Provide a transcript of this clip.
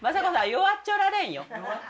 弱っちょられん